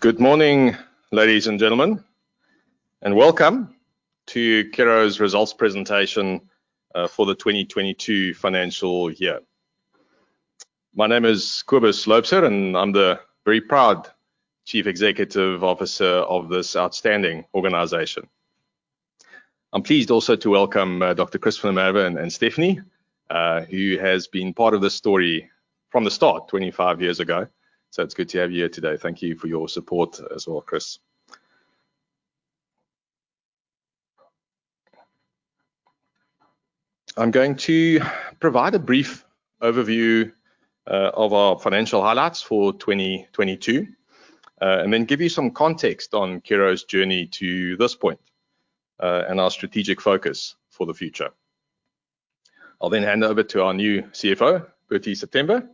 Good morning, ladies and gentlemen, and welcome to Curro's results presentation for the 2022 financial year. My name is Cobus Loubser, and I'm the very proud Chief Executive Officer of this outstanding organization. I'm pleased also to welcome Dr. Chris van der Merwe and Stephnie, who has been part of this story from the start 25 years ago. It's good to have you here today. Thank you for your support as well, Chris. I'm going to provide a brief overview of our financial highlights for 2022, and then give you some context on Curro's journey to this point, and our strategic focus for the future. I'll then hand over to our new CFO, Burtie September,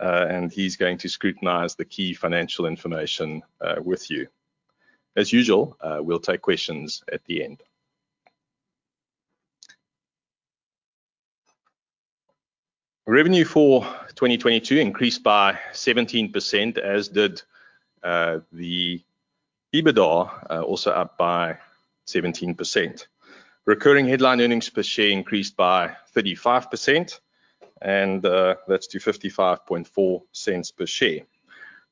and he's going to scrutinize the key financial information with you. As usual, we'll take questions at the end. Revenue for 2022 increased by 17%, as did the EBITDA, also up by 17%. Recurring headline earnings per share increased by 35%. That's to 0.554 per share.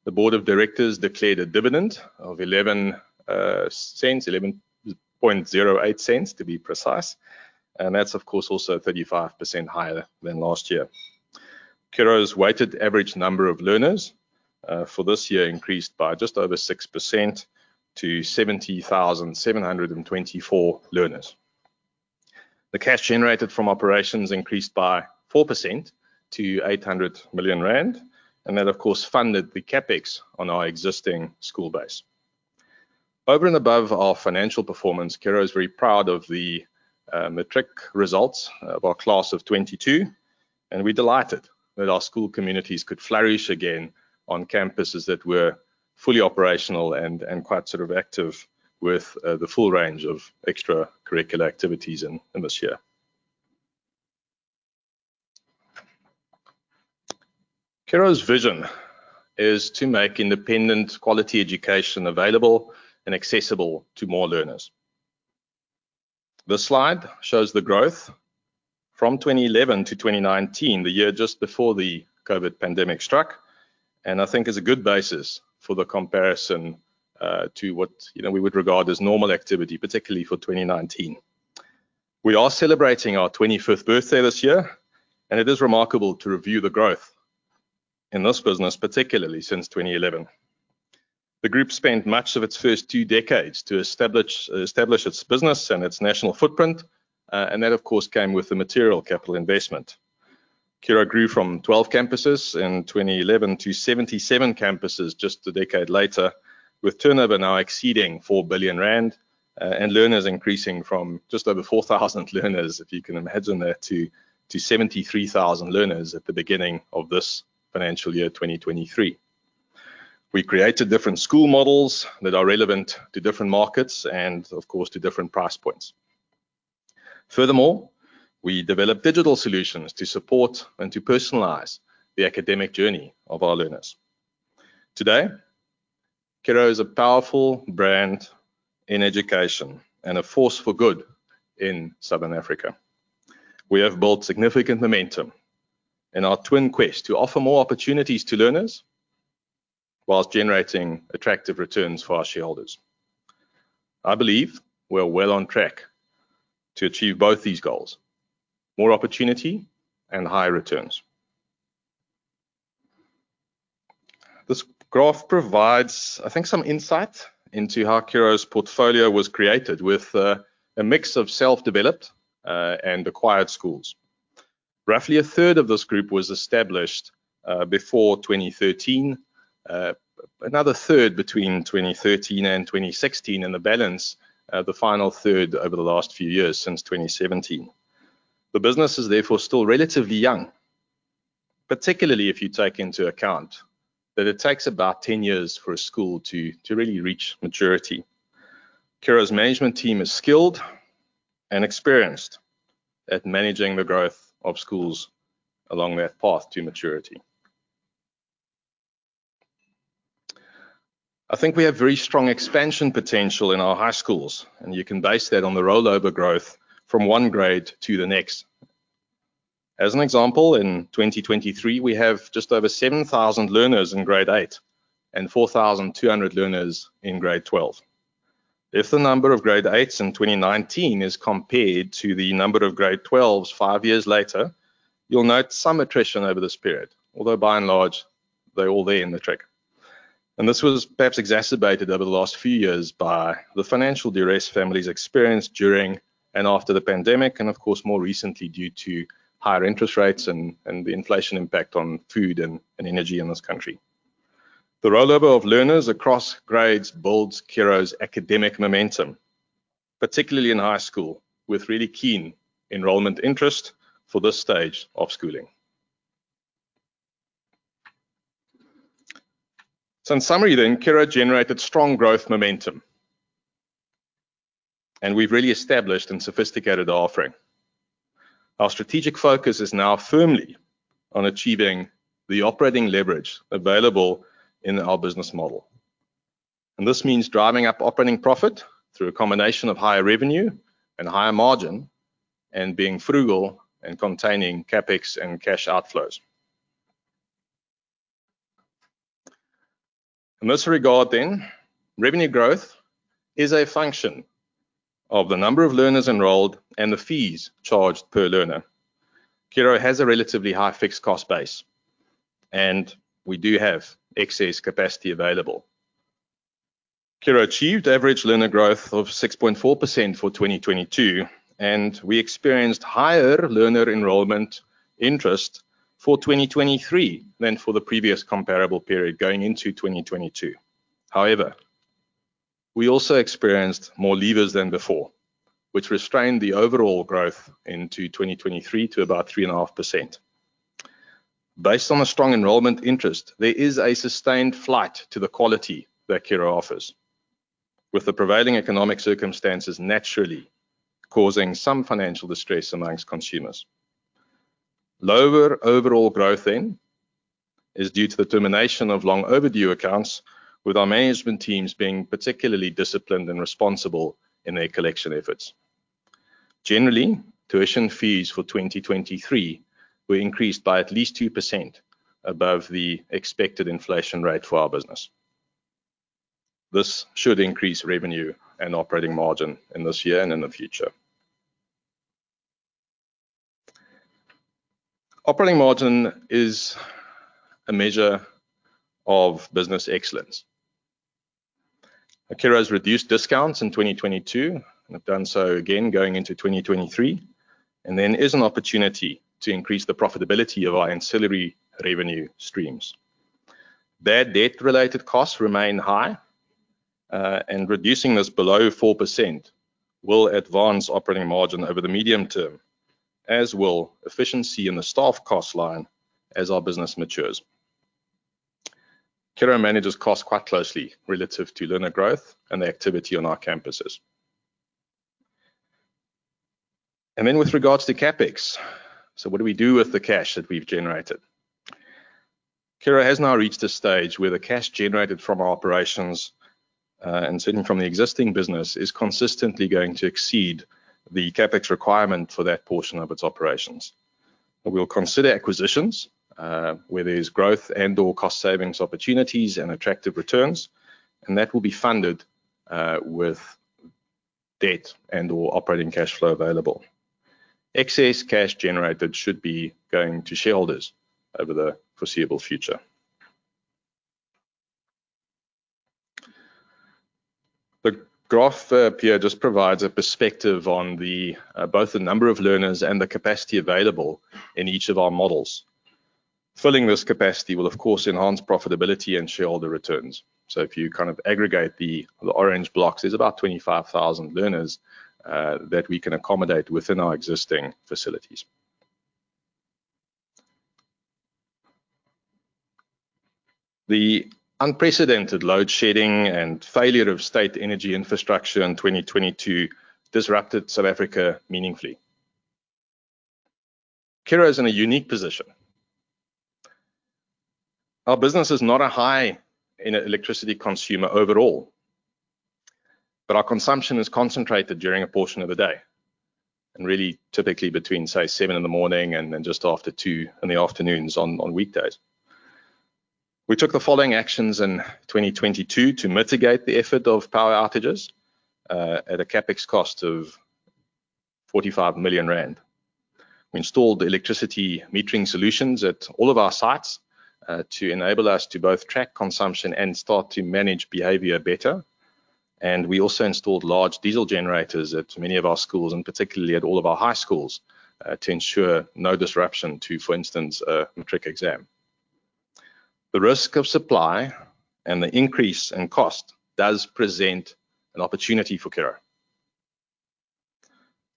The board of directors declared a dividend of 0.11, 0.1108 to be precise. That's of course also 35% higher than last year. Curro's weighted average number of learners for this year increased by just over 6% to 70,724 learners. The cash generated from operations increased by 4% to 800 million rand. That of course funded the CapEx on our existing school base. Over and above our financial performance, Curro is very proud of the matric results of our class of 22, and we're delighted that our school communities could flourish again on campuses that were fully operational and quite sort of active with the full range of extracurricular activities in this year. Curro's vision is to make independent quality education available and accessible to more learners. This slide shows the growth from 2011-2019, the year just before the COVID pandemic struck, and I think is a good basis for the comparison to what, you know, we would regard as normal activity, particularly for 2019. We are celebrating our 25th birthday this year, and it is remarkable to review the growth in this business, particularly since 2011. The group spent much of its first two decades to establish its business and its national footprint. That of course came with the material capital investment. Curro grew from 12 campuses in 2011-77 campuses just a decade later, with turnover now exceeding 4 billion rand, and learners increasing from just over 4,000 learners, if you can imagine that, to 73,000 learners at the beginning of this financial year, 2023. We created different school models that are relevant to different markets and of course, to different price points. Furthermore, we developed digital solutions to support and to personalize the academic journey of our learners. Today, Curro is a powerful brand in education and a force for good in Southern Africa. We have built significant momentum in our twin quest to offer more opportunities to learners whilst generating attractive returns for our shareholders. I believe we're well on track to achieve both these goals, more opportunity and higher returns. This graph provides, I think, some insight into how Curro's portfolio was created with a mix of self-developed and acquired schools. Roughly a third of this group was established before 2013, another third between 2013 and 2016, and the balance, the final third over the last few years since 2017. The business is therefore still relatively young, particularly if you take into account that it takes about 10 years for a school to really reach maturity. Curro's management team is skilled and experienced at managing the growth of schools along that path to maturity. I think we have very strong expansion potential in our high schools, and you can base that on the rollover growth from one grade to the next. As an example, in 2023, we have just over 7,000 learners in grade eight and 4,200 learners in grade twelve. If the number of grade eights in 2019 is compared to the number of grade twelves 5 years later, you'll note some attrition over this period. Although by and large, they're all there in the track. This was perhaps exacerbated over the last few years by the financial duress families experienced during and after the pandemic, and of course more recently due to higher interest rates and the inflation impact on food and energy in this country. The rollover of learners across grades builds Curro's academic momentum, particularly in high school, with really keen enrollment interest for this stage of schooling. In summary, Curro generated strong growth momentum. We've really established and sophisticated the offering. Our strategic focus is now firmly on achieving the operating leverage available in our business model. This means driving up operating profit through a combination of higher revenue and higher margin, and being frugal in containing CapEx and cash outflows. In this regard, revenue growth is a function of the number of learners enrolled and the fees charged per learner. Curro has a relatively high fixed cost base, and we do have excess capacity available. Curro achieved average learner growth of 6.4% for 2022, and we experienced higher learner enrollment interest for 2023 than for the previous comparable period going into 2022. We also experienced more leavers than before, which restrained the overall growth into 2023 to about 3.5%. Based on the strong enrollment interest, there is a sustained flight to the quality that Curro offers, with the prevailing economic circumstances naturally causing some financial distress amongst consumers. Lower overall growth is due to the termination of long overdue accounts, with our management teams being particularly disciplined and responsible in their collection efforts. Tuition fees for 2023 were increased by at least 2% above the expected inflation rate for our business. This should increase revenue and operating margin in this year and in the future. Operating margin is a measure of business excellence. Curro has reduced discounts in 2022, and have done so again going into 2023, and there is an opportunity to increase the profitability of our ancillary revenue streams. Their debt-related costs remain high, and reducing this below 4% will advance operating margin over the medium term, as will efficiency in the staff cost line as our business matures. Curro manages cost quite closely relative to learner growth and the activity on our campuses. With regards to CapEx. What do we do with the cash that we've generated? Curro has now reached a stage where the cash generated from our operations, and certainly from the existing business, is consistently going to exceed the CapEx requirement for that portion of its operations. We'll consider acquisitions where there's growth and/or cost savings opportunities and attractive returns, that will be funded with debt and/or operating cash flow available. Excess cash generated should be going to shareholders over the foreseeable future. The graph here just provides a perspective on the both the number of learners and the capacity available in each of our models. Filling this capacity will of course enhance profitability and shareholder returns. If you kind of aggregate the orange blocks, there's about 25,000 learners that we can accommodate within our existing facilities. The unprecedented load shedding and failure of state energy infrastructure in 2022 disrupted South Africa meaningfully. Curro is in a unique position. Our business is not a high electricity consumer overall, but our consumption is concentrated during a portion of the day, and really typically between, say, 7:00 A.M. and then just after 2:00 P.M. on weekdays. We took the following actions in 2022 to mitigate the effect of power outages at a CapEx cost of 45 million rand. We installed electricity metering solutions at all of our sites to enable us to both track consumption and start to manage behavior better. We also installed large diesel generators at many of our schools, and particularly at all of our high schools, to ensure no disruption to, for instance, a matric exam. The risk of supply and the increase in cost does present an opportunity for Curro.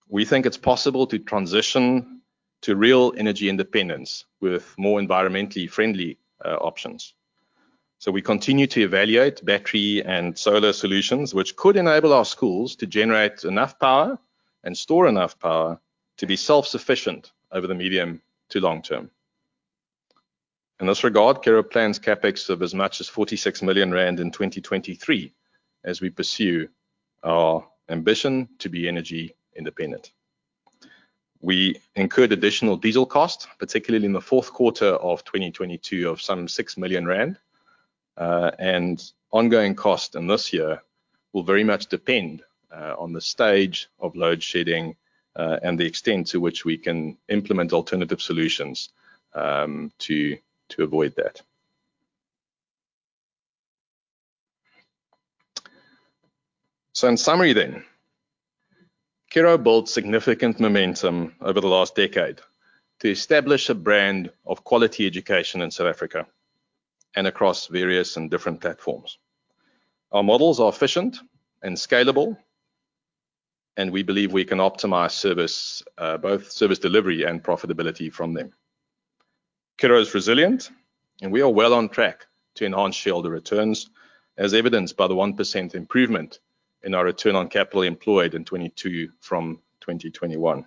We think it's possible to transition to real energy independence with more environmentally friendly options. We continue to evaluate battery and solar solutions which could enable our schools to generate enough power and store enough power to be self-sufficient over the medium to long term. In this regard, Curro plans CapEx of as much as 46 million rand in 2023 as we pursue our ambition to be energy independent. We incurred additional diesel costs, particularly in the Q4 of 2022, of some 6 million rand. And ongoing cost in this year will very much depend on the stage of load shedding and the extent to which we can implement alternative solutions to avoid that. In summary then, Curro built significant momentum over the last decade to establish a brand of quality education in South Africa and across various and different platforms. Our models are efficient and scalable. We believe we can optimize service, both service delivery and profitability from them. Curro is resilient, and we are well on track to enhance shareholder returns, as evidenced by the 1% improvement in our return on capital employed in 2022 from 2021.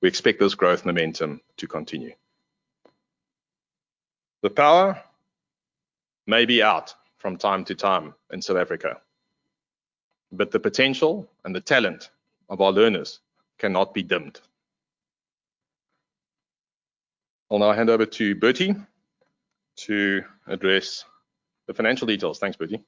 We expect this growth momentum to continue. The power may be out from time to time in South Africa, but the potential and the talent of our learners cannot be dimmed. I'll now hand over to Burtie to address the financial details. Thanks, Burtie.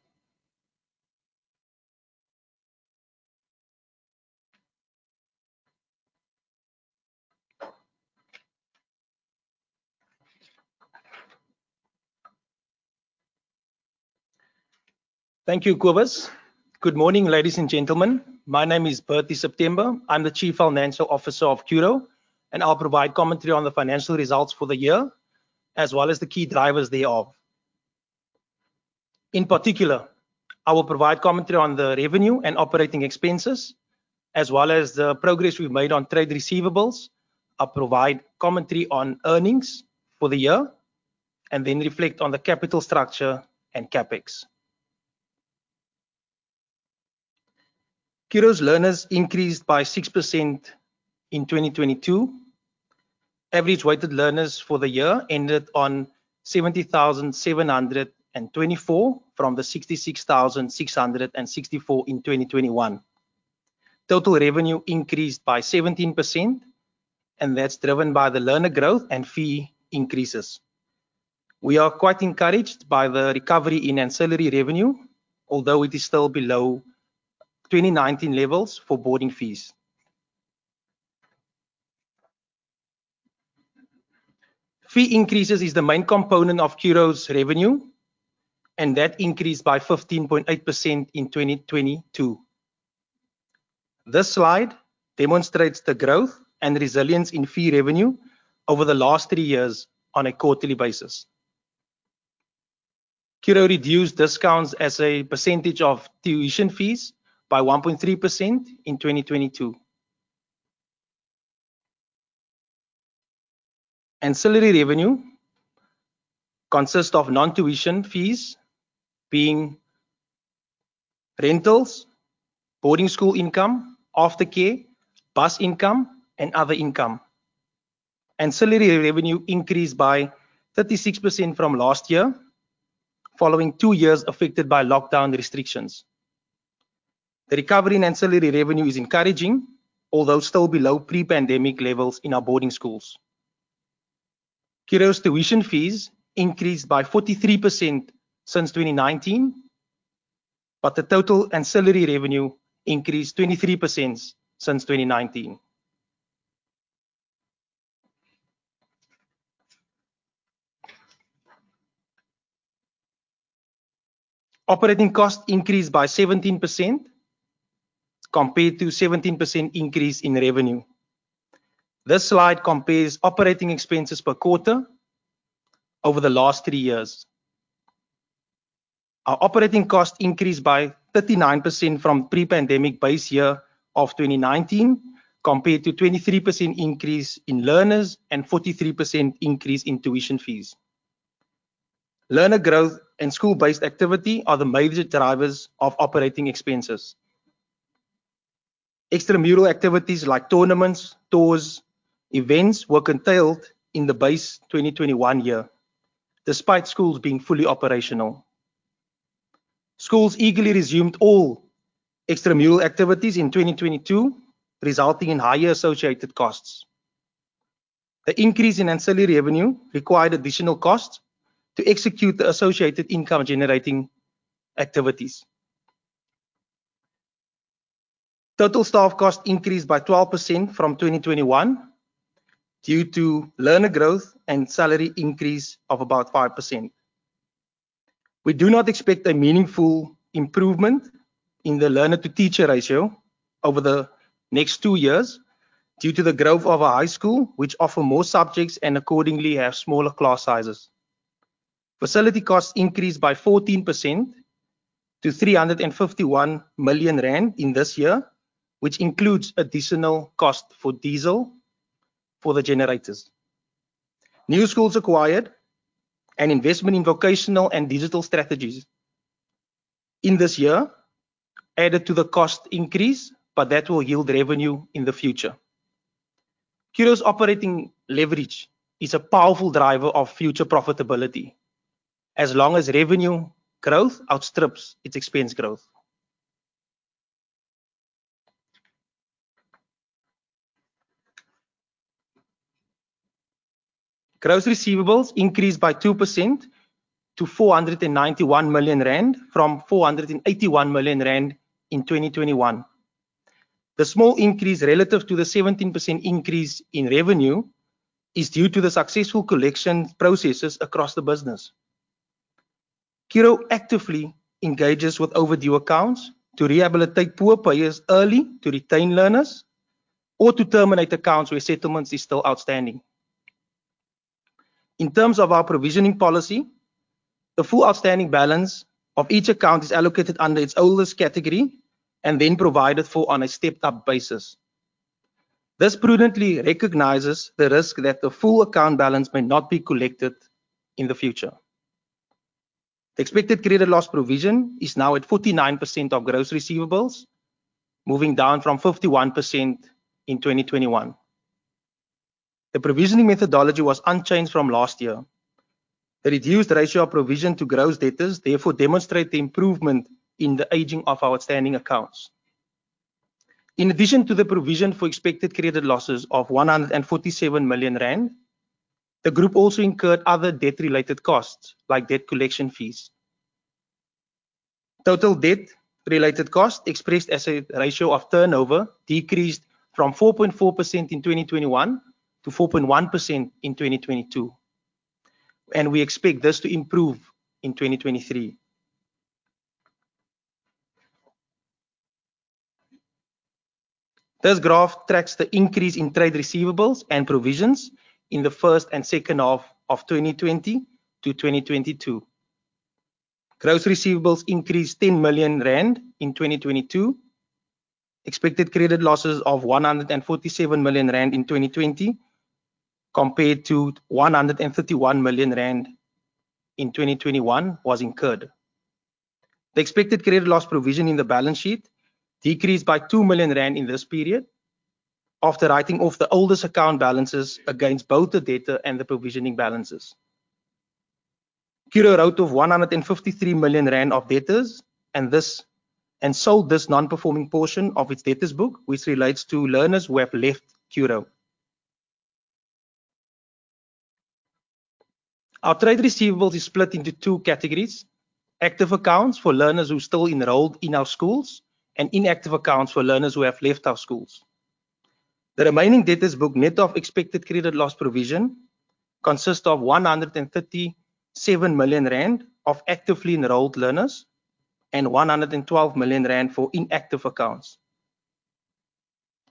Thank you, Cobus. Good morning, ladies and gentlemen. My name is Burtie September. I'm the Chief Financial Officer of Curro. I'll provide commentary on the financial results for the year, as well as the key drivers thereof. In particular, I will provide commentary on the revenue and operating expenses as well as the progress we've made on trade receivables. I'll provide commentary on earnings for the year and then reflect on the capital structure and CapEx. Curro's learners increased by 6% in 2022. Average weighted learners for the year ended on 70,724 from the 66,664 in 2021. Total revenue increased by 17%. That's driven by the learner growth and fee increases. We are quite encouraged by the recovery in ancillary revenue, although it is still below 2019 levels for boarding fees. Fee increases is the main component of Curro's revenue, and that increased by 15.8% in 2022. This slide demonstrates the growth and resilience in fee revenue over the last three years on a quarterly basis. Curro reduced discounts as a percentage of tuition fees by 1.3% in 2022. Ancillary revenue consists of non-tuition fees being rentals, boarding school income, aftercare, bus income, and other income. Ancillary revenue increased by 36% from last year following two years affected by lockdown restrictions. The recovery in ancillary revenue is encouraging, although still below pre-pandemic levels in our boarding schools. Curro's tuition fees increased by 43% since 2019, but the total ancillary revenue increased 23% since 2019. Operating costs increased by 17% compared to 17% increase in revenue. This slide compares operating expenses per quarter over the last three years. Our operating cost increased by 39% from pre-pandemic base year of 2019, compared to 23% increase in learners and 43% increase in tuition fees. Learner growth and school-based activity are the major drivers of operating expenses. Extramural activities like tournaments, tours, events were curtailed in the base 2021 year, despite schools being fully operational. Schools eagerly resumed all extramural activities in 2022, resulting in higher associated costs. The increase in ancillary revenue required additional costs to execute the associated income-generating activities. Total staff costs increased by 12% from 2021 due to learner growth and salary increase of about 5%. We do not expect a meaningful improvement in the learner-to-teacher ratio over the next two years due to the growth of our high school, which offer more subjects and accordingly have smaller class sizes. Facility costs increased by 14% to 351 million rand in this year, which includes additional cost for diesel for the generators. New schools acquired and investment in vocational and digital strategies in this year added to the cost increase, but that will yield revenue in the future. Curro's operating leverage is a powerful driver of future profitability as long as revenue growth outstrips its expense growth. Gross receivables increased by 2% to 491 million rand, from 481 million rand in 2021. The small increase relative to the 17% increase in revenue is due to the successful collection processes across the business. Curro actively engages with overdue accounts to rehabilitate poor payers early, to retain learners, or to terminate accounts where settlements is still outstanding. In terms of our provisioning policy, the full outstanding balance of each account is allocated under its oldest category and then provided for on a stepped-up basis. This prudently recognizes the risk that the full account balance may not be collected in the future. The expected credit loss provision is now at 49% of gross receivables, moving down from 51% in 2021. The provisioning methodology was unchanged from last year. The reduced ratio of provision to gross debtors therefore demonstrate the improvement in the aging of our outstanding accounts. In addition to the provision for expected credit losses of 147 million rand, the group also incurred other debt-related costs, like debt collection fees. Total debt-related cost expressed as a ratio of turnover decreased from 4.4% in 2021 to 4.1% in 2022. We expect this to improve in 2023. This graph tracks the increase in trade receivables and provisions in the first and second half of 2020-2022. Gross receivables increased 10 million rand in 2022. Expected credit losses of 147 million rand in 2020 compared to 131 million rand in 2021 was incurred. The expected credit loss provision in the balance sheet decreased by 2 million rand in this period after writing off the oldest account balances against both the debtor and the provisioning balances. Curro wrote off 153 million rand of debtors and sold this non-performing portion of its debtors book, which relates to learners who have left Curro. Our trade receivables is split into two categories: active accounts for learners who are still enrolled in our schools and inactive accounts for learners who have left our schools. The remaining debtors book net of expected credit loss provision consists of 137 million rand of actively enrolled learners and 112 million rand for inactive accounts.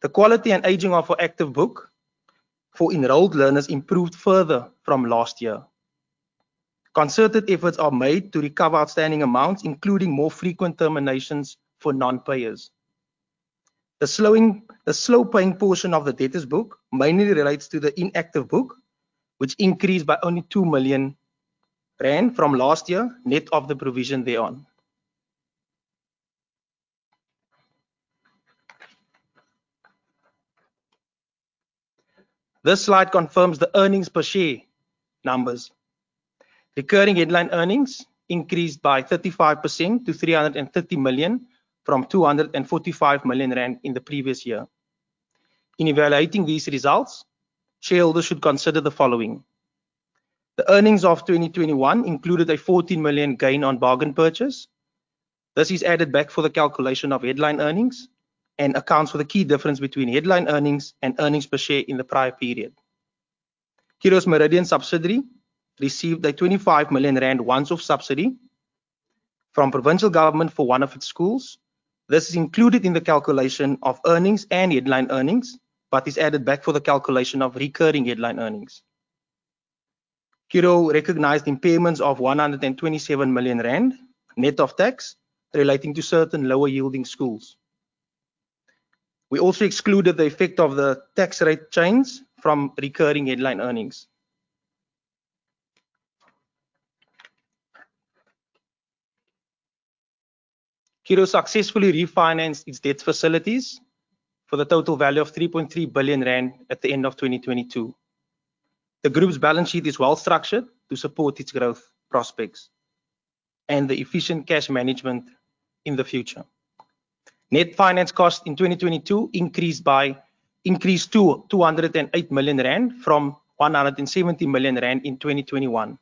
The quality and aging of our active book for enrolled learners improved further from last year. Concerted efforts are made to recover outstanding amounts, including more frequent terminations for non-payers. The slow-paying portion of the debtors book mainly relates to the inactive book, which increased by only 2 million rand from last year, net of the provision thereon. This slide confirms the earnings per share numbers. Recurring headline earnings increased by 35% to 330 million from 245 million rand in the previous year. In evaluating these results, shareholders should consider the following. The earnings of 2021 included a 14 million gain on bargain purchase. This is added back for the calculation of headline earnings and accounts for the key difference between headline earnings and earnings per share in the prior period. Curro's Meridian subsidiary received a 25 million rand once-off subsidy from provincial government for one of its schools. This is included in the calculation of earnings and headline earnings, but is added back for the calculation of recurring headline earnings. Curro recognized impairments of 127 million rand, net of tax, relating to certain lower-yielding schools. We also excluded the effect of the tax rate change from recurring headline earnings. Curro successfully refinanced its debt facilities for the total value of 3.3 billion rand at the end of 2022. The group's balance sheet is well-structured to support its growth prospects and the efficient cash management in the future. Net finance costs in 2022 increased to 208 million rand from 170 million rand in 2021.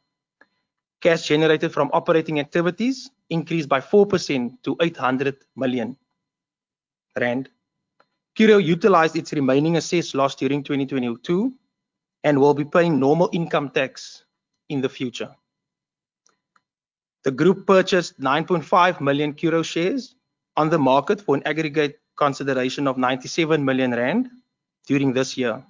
Cash generated from operating activities increased by 4% to 800 million rand. Curro utilized its remaining assessed loss during 2022 and will be paying normal income tax in the future. The group purchased 9.5 million Curro shares on the market for an aggregate consideration of 97 million rand during this year.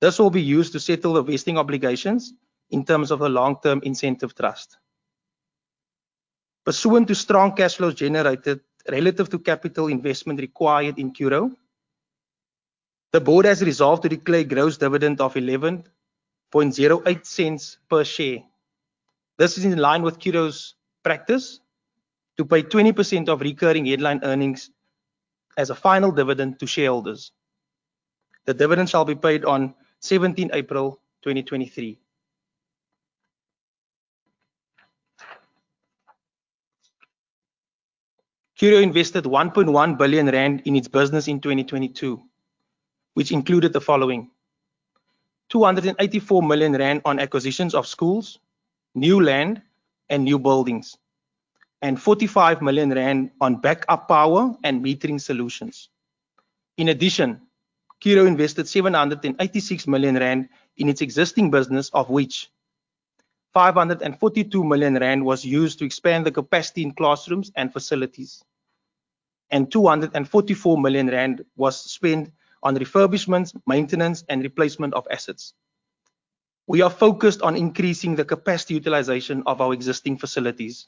This will be used to settle the vesting obligations in terms of a long-term incentive trust. Pursuant to strong cash flows generated relative to capital investment required in Curro, the board has resolved to declare gross dividend of 0.1108 per share. This is in line with Curro's practice to pay 20% of recurring headline earnings as a final dividend to shareholders. The dividend shall be paid on 17th April, 2023. Curro invested 1.1 billion rand in its business in 2022, which included the following: 284 million rand on acquisitions of schools, new land and new buildings, and 45 million rand on backup power and metering solutions. In addition, Curro invested 786 million rand in its existing business, of which 542 million rand was used to expand the capacity in classrooms and facilities. 244 million rand was spent on refurbishments, maintenance, and replacement of assets. We are focused on increasing the capacity utilization of our existing facilities.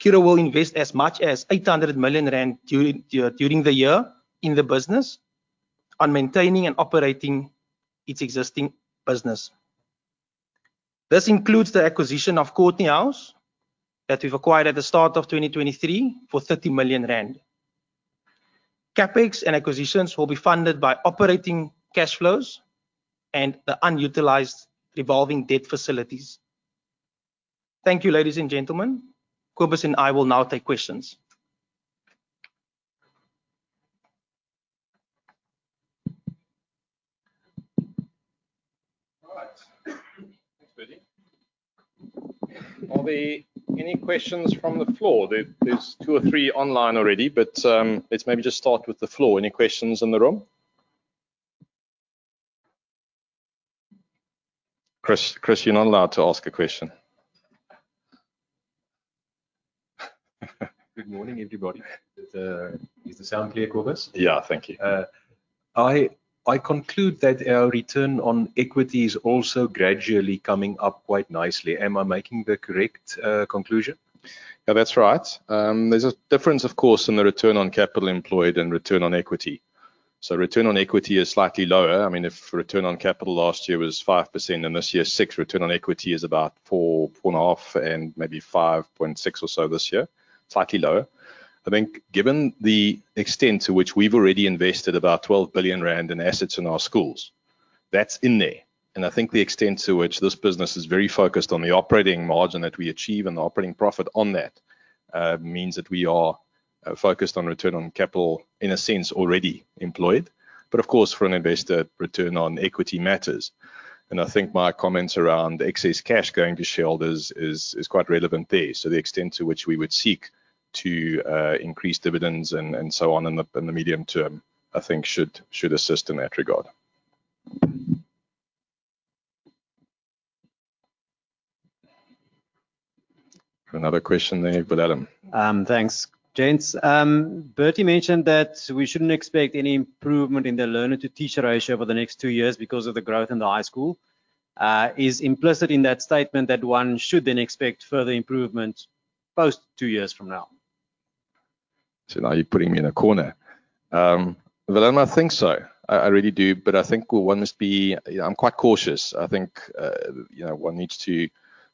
Curro will invest as much as 800 million rand during the year in the business on maintaining and operating its existing business. This includes the acquisition of Courtney House that we've acquired at the start of 2023 for 30 million rand. CapEx and acquisitions will be funded by operating cash flows and the unutilized revolving debt facilities. Thank you, ladies and gentlemen. Cobus and I will now take questions. All right. Thanks, Burtie. Are there any questions from the floor? There's two or three online already, but, let's maybe just start with the floor. Any questions in the room? Chris, you're not allowed to ask a question. Good morning, everybody. Is the sound clear, Cobus? Yeah. Thank you. I conclude that our return on equity is also gradually coming up quite nicely. Am I making the correct conclusion? Yeah, that's right. There's a difference, of course, in the return on capital employed and return on equity. Return on equity is slightly lower. I mean, if return on capital last year was 5% and this year 6%, return on equity is about 4%, 4.5%, and maybe 5.6% or so this year. Slightly lower. I think given the extent to which we've already invested about 12 billion rand in assets in our schools, that's in there. I think the extent to which this business is very focused on the operating margin that we achieve and the operating profit on that means that we are focused on return on capital in a sense already employed. Of course, for an investor, return on equity matters. I think my comments around excess cash going to shareholders is quite relevant there. The extent to which we would seek to increase dividends and so on in the medium term, I think should assist in that regard. Another question there, Wilhelm. Thanks. Gents, Bertie mentioned that we shouldn't expect any improvement in the learner-to-teacher ratio over the next two years because of the growth in the high school. Is implicit in that statement that one should then expect further improvement post two years from now? Now you're putting me in a corner. Wilhelm, I think so. I really do. I think one must be... You know, I'm quite cautious. I think, you know, one needs to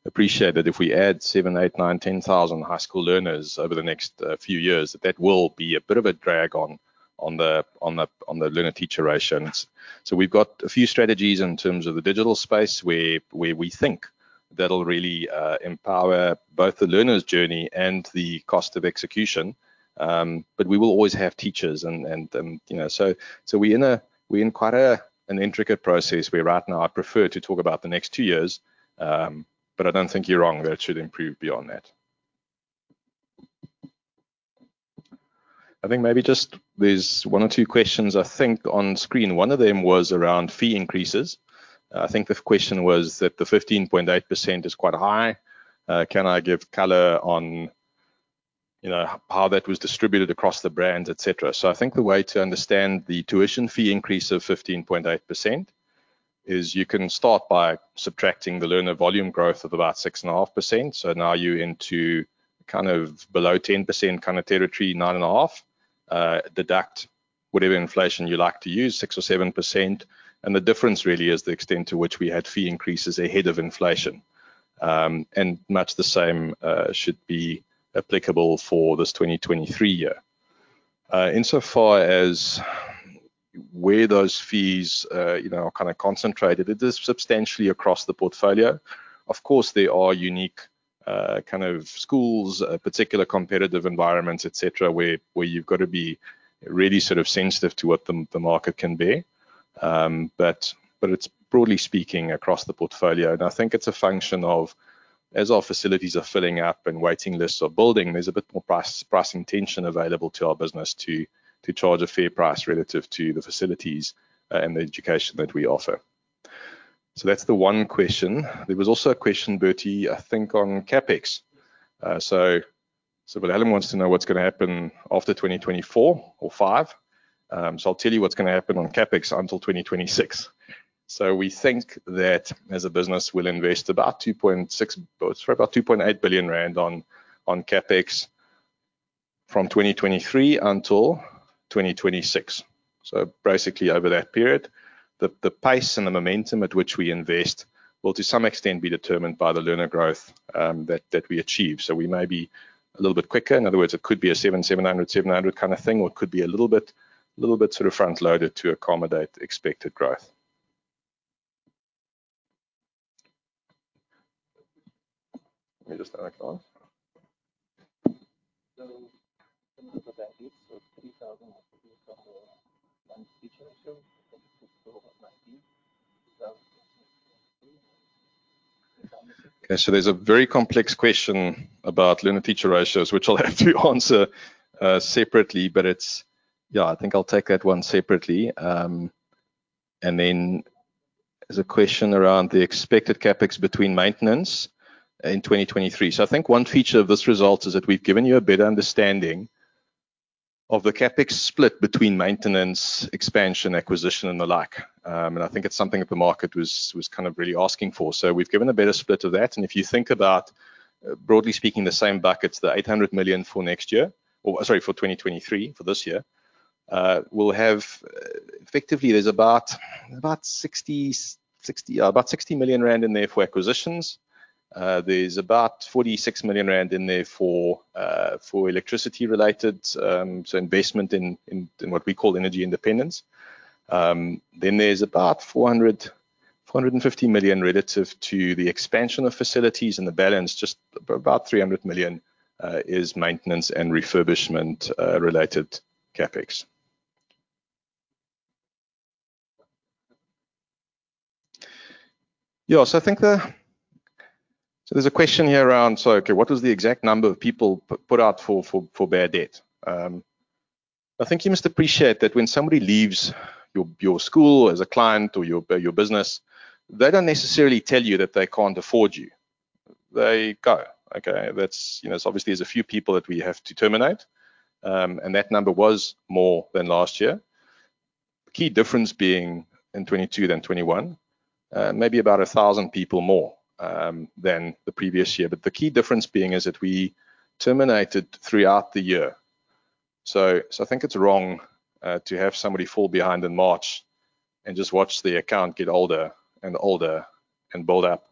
appreciate that if we add 7,000, 8,000, 9,000, 10,000 high school learners over the next few years, that that will be a bit of a drag on the learner-teacher ratios. We've got a few strategies in terms of the digital space where we think that'll really empower both the learner's journey and the cost of execution. We will always have teachers and, you know. We in quite an intricate process where right now I prefer to talk about the next two years. I don't think you're wrong. That should improve beyond that. I think maybe just there's one or two questions I think on screen. One of them was around fee increases. I think the question was that the 15.8% is quite high. can I give color on, you know, how that was distributed across the brands, et cetera? I think the way to understand the tuition fee increase of 15.8% is you can start by subtracting the learner volume growth of about 6.5%. Now you're into kind of below 10% kind of territory, 9.5%. deduct whatever inflation you like to use, 6% or 7%. The difference really is the extent to which we had fee increases ahead of inflation, and much the same should be applicable for this 2023 year. Insofar as where those fees, you know, are kind of concentrated, it is substantially across the portfolio. Of course, there are unique, kind of schools, particular competitive environments, et cetera, where you've got to be really sort of sensitive to what the market can bear. It's broadly speaking across the portfolio. I think it's a function of, as our facilities are filling up and waiting lists are building, there's a bit more pricing tension available to our business to charge a fair price relative to the facilities and the education that we offer. That's the one question. There was also a question, Burtie, I think on CapEx. Wilhelm wants to know what's gonna happen after 2024 or 2025. I'll tell you what's gonna happen on CapEx until 2026. We think that as a business, we'll invest about 2.8 billion rand on CapEx from 2023 until 2026. Basically over that period. The pace and the momentum at which we invest will to some extent be determined by the learner growth that we achieve. We may be a little bit quicker. In other words, it could be a 700 kind of thing, or it could be a little bit sort of front-loaded to accommodate expected growth. Let me just turn it off. 3,001 teacher ratio 19. There's a very complex question about learner-teacher ratios, which I'll have to answer separately, but it's. Yeah, I think I'll take that one separately. Then there's a question around the expected CapEx between maintenance in 2023. I think one feature of this result is that we've given you a better understanding of the CapEx split between maintenance, expansion, acquisition and the like. And I think it's something that the market was kind of really asking for. We've given a better split of that. If you think about, broadly speaking, the same buckets, the 800 million for next year, or sorry, for 2023, for this year, we'll have effectively there's about 60 million rand in there for acquisitions. There's about 46 million rand in there for electricity related investment in what we call energy independence. There's about 400 million-450 million relative to the expansion of facilities and the balance just about 300 million is maintenance and refurbishment related CapEx. I think there's a question here around what was the exact number of people put out for bad debt? I think you must appreciate that when somebody leaves your school as a client or your business, they don't necessarily tell you that they can't afford you. They go. Okay. That's, you know, obviously there's a few people that we have to terminate. That number was more than last year. The key difference being in 2022 than 2021, maybe about 1,000 people more than the previous year. The key difference being is that we terminated throughout the year. I think it's wrong to have somebody fall behind in March and just watch the account get older and older and build up.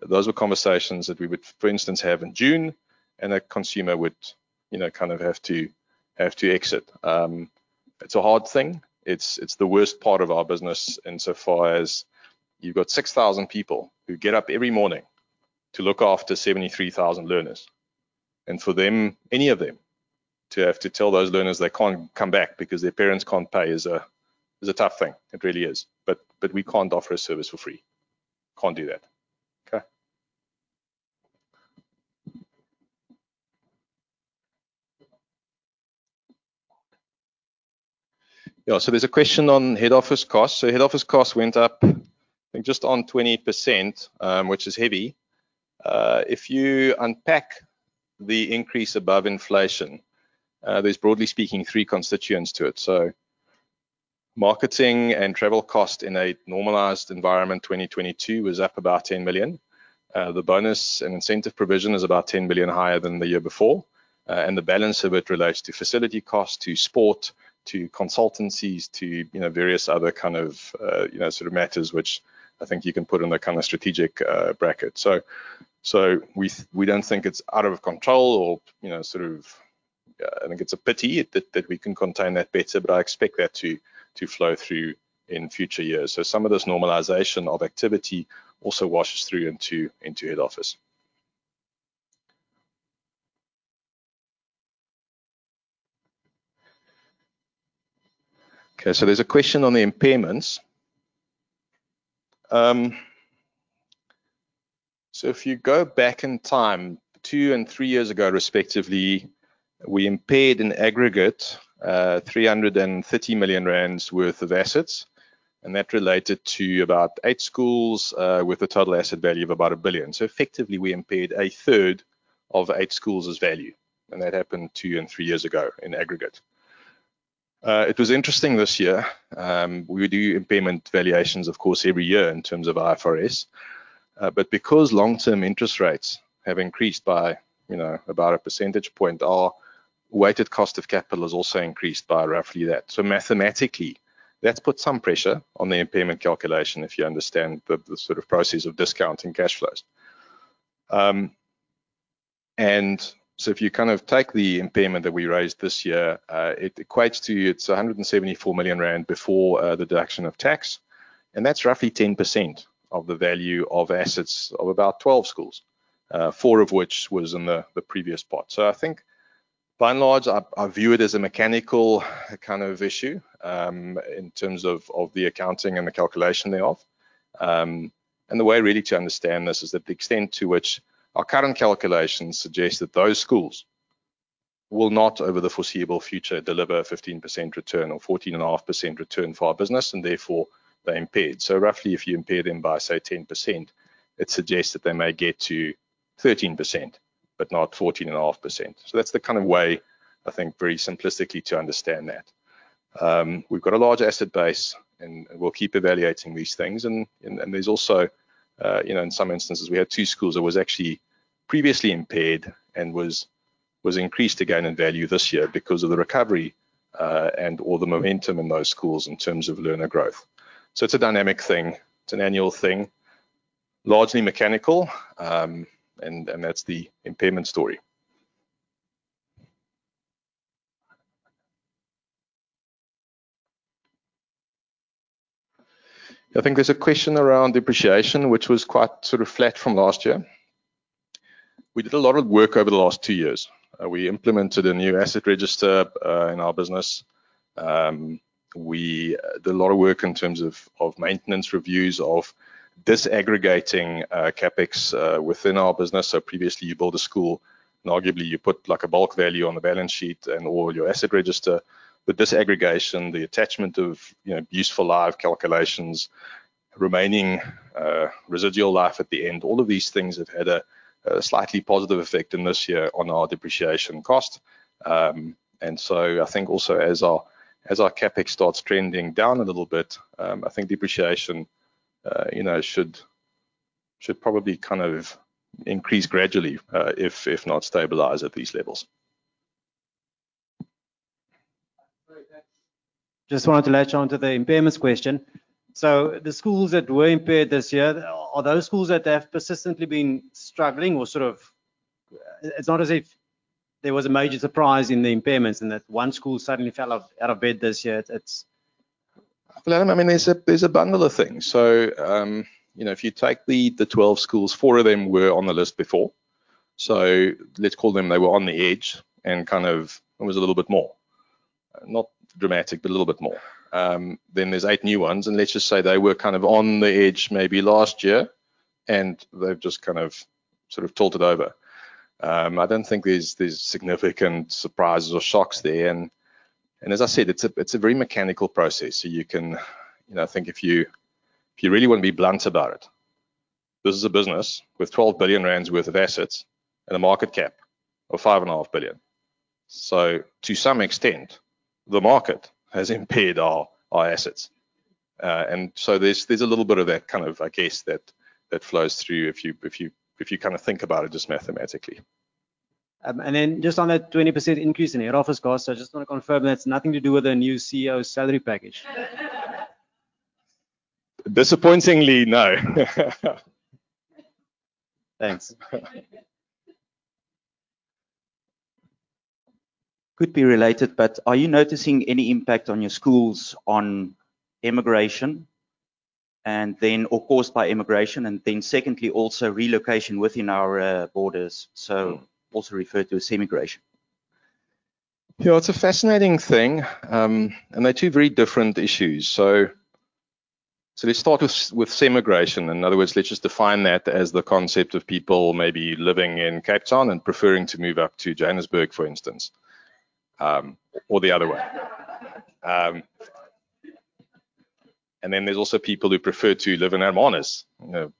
Those were conversations that we would, for instance, have in June, and a consumer would, you know, kind of have to exit. It's a hard thing. It's the worst part of our business insofar as you've got 6,000 people who get up every morning to look after 73,000 learners. For them, any of them to have to tell those learners they can't come back because their parents can't pay is a tough thing. It really is. We can't offer a service for free. Can't do that. Okay. Yeah. There's a question on head office costs. Head office costs went up, I think, just on 20%, which is heavy. If you unpack the increase above inflation, there's broadly speaking three constituents to it. Marketing and travel cost in a normalized environment, 2022 was up about 10 million. The bonus and incentive provision is about 10 million higher than the year before. The balance of it relates to facility costs, to sport, to consultancies, to, you know, various other kind of, you know, sort of matters, which I think you can put in the kind of strategic bracket. We don't think it's out of control or, you know, sort of... I think it's a pity that we can contain that better, but I expect that to flow through in future years. Some of this normalization of activity also washes through into head office. Okay. There's a question on the impairments. If you go back in time, two and three years ago respectively, we impaired in aggregate, 330 million rand worth of assets, and that related to about eight schools, with a total asset value of about 1 billion. Effectively, we impaired a third of eight schools' value, and that happened two and three years ago in aggregate. It was interesting this year. We do impairment valuations, of course, every year in terms of IFRS. Because long-term interest rates have increased by, you know, about one percentage point, our weighted cost of capital has also increased by roughly that. Mathematically, that's put some pressure on the impairment calculation, if you understand the sort of process of discounting cash flows. If you kind of take the impairment that we raised this year, it equates to... It's 174 million rand before the deduction of tax, and that's roughly 10% of the value of assets of about 12 schools, four of which was in the previous pot. I think by and large, I view it as a mechanical kind of issue in terms of the accounting and the calculation thereof. The way really to understand this is that the extent to which our current calculations suggest that those schools will not over the foreseeable future deliver a 15% return or 14.5% return for our business, and therefore they're impaired. Roughly, if you impair them by, say, 10%, it suggests that they may get to 13%, but not 14.5%. That's the kind of way I think very simplistically to understand that. We've got a large asset base, and we'll keep evaluating these things. There's also, you know, in some instances, we had two schools that was actually previously impaired and was increased again in value this year because of the recovery and/or the momentum in those schools in terms of learner growth. It's a dynamic thing. It's an annual thing, largely mechanical, and that's the impairment story. I think there's a question around depreciation, which was quite sort of flat from last year. We did a lot of work over the last two years. We implemented a new asset register in our business. We did a lot of work in terms of maintenance reviews, of disaggregating CapEx within our business. Previously, you build a school, and arguably you put, like, a bulk value on the balance sheet and/or your asset register. Disaggregation, the attachment of, you know, useful life calculations Remaining, residual life at the end. All of these things have had a slightly positive effect in this year on our depreciation cost. I think also as our CapEx starts trending down a little bit, I think depreciation, you know, should probably kind of increase gradually, if not stabilize at these levels. Sorry, thanks. Just wanted to latch on to the impairments question. The schools that were impaired this year, are those schools that have persistently been struggling or sort of? It's not as if there was a major surprise in the impairments and that one school suddenly fell out of bed this year. It's. Well, I mean, there's a bundle of things. You know, if you take the 12 schools, four of them were on the list before. Let's call them, they were on the edge and kind of it was a little bit more. Not dramatic, but a little bit more. There's eight new ones, and let's just say they were kind of on the edge maybe last year, and they've just kind of, sort of tilted over. I don't think there's significant surprises or shocks there. As I said, it's a very mechanical process. You can, you know, think if you really want to be blunt about it, this is a business with 12 billion rand worth of assets and a market cap of 5.5 billion. To some extent, the market has impaired our assets. There's a little bit of that kind of, I guess that flows through if you kind of think about it just mathematically. Just on that 20% increase in head office costs, I just want to confirm that's nothing to do with the new CEO's salary package? Disappointingly, no. Thanks. Could be related, are you noticing any impact on your schools on immigration, or caused by immigration, and then secondly, also relocation within our borders, so also referred to as semigration? You know, it's a fascinating thing, they're two very different issues. Let's start with semigration. In other words, let's just define that as the concept of people maybe living in Cape Town and preferring to move up to Johannesburg, for instance, or the other way. Then there's also people who prefer to live in Hermanus. You know,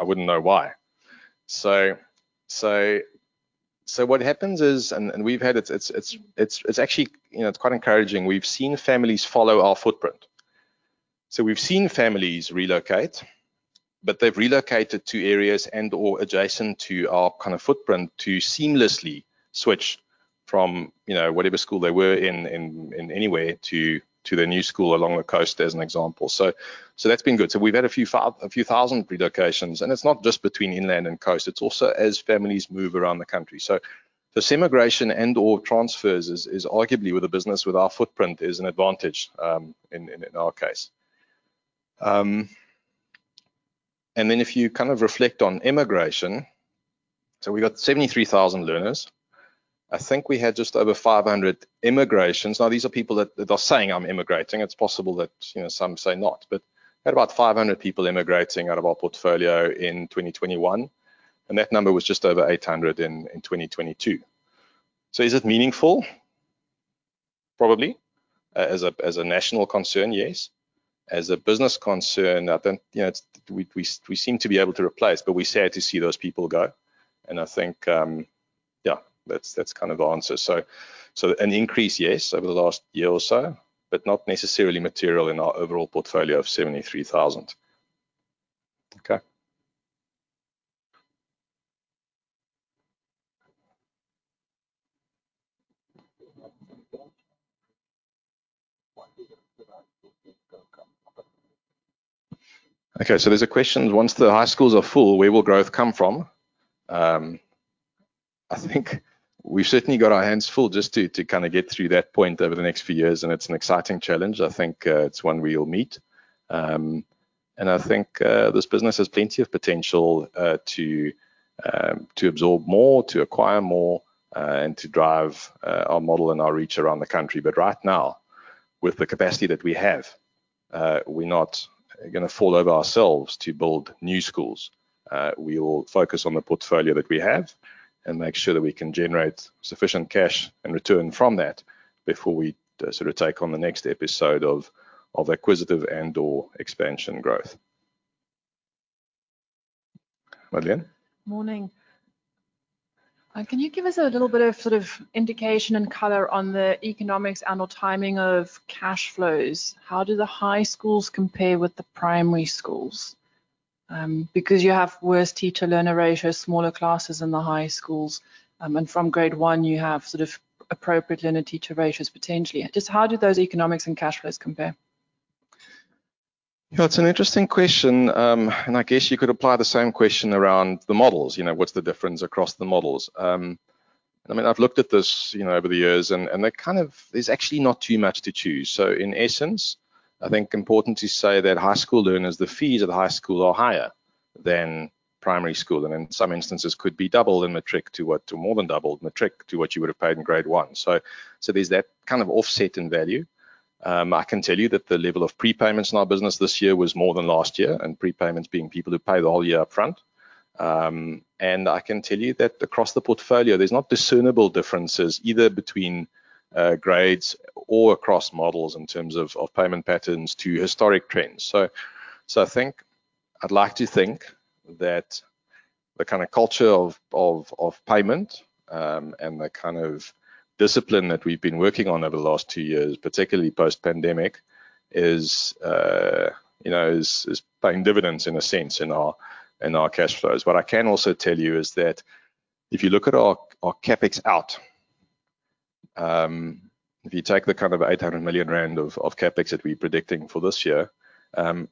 I wouldn't know why. What happens is we've had it. It's actually, you know, it's quite encouraging. We've seen families follow our footprint. We've seen families relocate, but they've relocated to areas and/or adjacent to our kind of footprint to seamlessly switch from, you know, whatever school they were in anywhere to their new school along the coast as an example. That's been good. We've had a few thousand relocations. It's not just between inland and coast. It's also as families move around the country. The semigration and/or transfers is arguably with the business with our footprint is an advantage in our case. If you kind of reflect on immigration. We got 73,000 learners. I think we had just over 500 immigrations. Now, these are people that are saying, "I'm immigrating." It's possible that, you know, some say not. We had about 500 people immigrating out of our portfolio in 2021, and that number was just over 800 in 2022. Is it meaningful? Probably. As a national concern, yes. As a business concern, you know, we seem to be able to replace, but we're sad to see those people go. I think, yeah, that's kind of the answer. An increase, yes, over the last year or so, but not necessarily material in our overall portfolio of 73,000. There's a question. Once the high schools are full, where will growth come from? I think we've certainly got our hands full just to kind of get through that point over the next few years, it's an exciting challenge. I think it's one we'll meet. I think this business has plenty of potential to absorb more, to acquire more, to drive our model and our reach around the country. Right now, with the capacity that we have, we're not gonna fall over ourselves to build new schools. We will focus on the portfolio that we have and make sure that we can generate sufficient cash and return from that before we sort of take on the next episode of acquisitive and/or expansion growth. Madeleine? Morning. Can you give us a little bit of sort of indication and color on the economics and/or timing of cash flows? How do the high schools compare with the primary schools? Because you have worse teacher-learner ratios, smaller classes in the high schools, and from grade one, you have sort of appropriate learner-teacher ratios potentially. Just how do those economics and cash flows compare? You know, it's an interesting question, I guess you could apply the same question around the models. You know, what's the difference across the models? I mean, I've looked at this, you know, over the years, and there's actually not too much to choose. In essence, I think important to say that high school learners, the fees at the high school are higher than primary school, and in some instances could be 2x in metric to what to more than 2x in metric to what you would have paid in Grade one. There's that kind of offset in value. I can tell you that the level of prepayments in our business this year was more than last year, and prepayments being people who pay the whole year up front. I can tell you that across the portfolio, there's not discernible differences either between grades or across models in terms of payment patterns to historic trends. I'd like to think that the kind of culture of payment and the kind of discipline that we've been working on over the last two years, particularly post-pandemic, is, you know, paying dividends in a sense in our cash flows. What I can also tell you is that if you look at our CapEx out, if you take the kind of 800 million rand of CapEx that we're predicting for this year,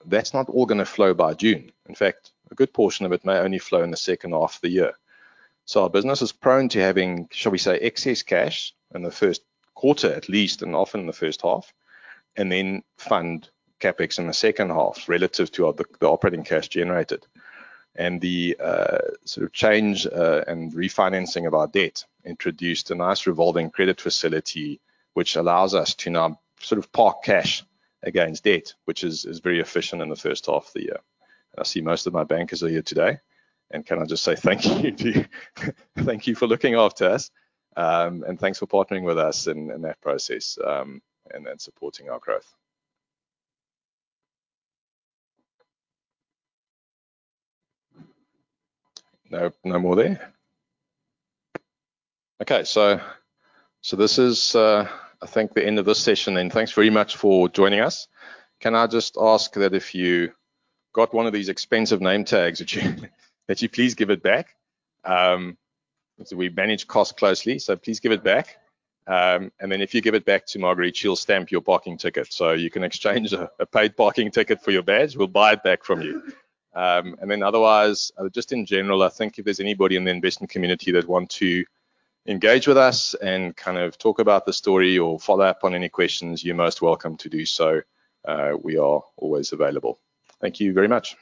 that's not all gonna flow by June. In fact, a good portion of it may only flow in the second half of the year. Our business is prone to having excess cash in the Q1 at least, and often in the first half, and then fund CapEx in the second half relative to the operating cash generated. The change and refinancing of our debt introduced a nice revolving credit facility which allows us to now park cash against debt, which is very efficient in the first half of the year. I see most of my bankers are here today, and can I just say thank you to you. Thank you for looking after us, and thanks for partnering with us in that process, and then supporting our growth. No, no more there? Okay. This is, I think, the end of this session, and thanks very much for joining us. Can I just ask that if you got one of these expensive name tags that you please give it back. We manage costs closely, so please give it back. If you give it back to Marguerite, she'll stamp your parking ticket. You can exchange a paid parking ticket for your badge. We'll buy it back from you. Otherwise, just in general, I think if there's anybody in the investment community that want to engage with us and kind of talk about the story or follow up on any questions, you're most welcome to do so. We are always available. Thank you very much.